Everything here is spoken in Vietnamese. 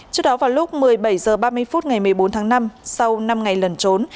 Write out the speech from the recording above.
trước đó vào lúc một mươi bảy h ba mươi phút ngày một mươi bốn tháng năm sau năm ngày lần trốn